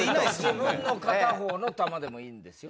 自分の片方の玉でもいいんですよ。